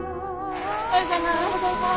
おはようございます。